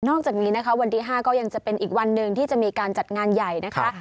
จากนี้นะคะวันที่๕ก็ยังจะเป็นอีกวันหนึ่งที่จะมีการจัดงานใหญ่นะคะ